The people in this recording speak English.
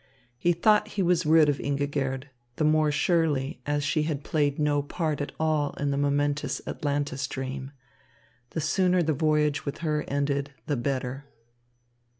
He thought he was rid of Ingigerd, the more surely as she had played no part at all in the momentous Atlantis dream. The sooner the voyage with her ended the better.